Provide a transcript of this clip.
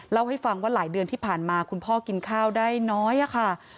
เล่าให้ฟังว่าหลายเดือนที่ผ่านมาคุณพ่อกินข้าวได้น้อยค่ะ